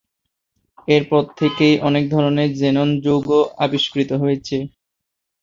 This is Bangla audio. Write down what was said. এর পর থেকে অনেক ধরণের জেনন যৌগ আবিষ্কৃত হয়েছে।